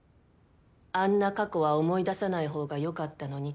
「あんな過去は思い出さない方がよかったのに」